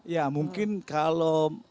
ya mungkin kalau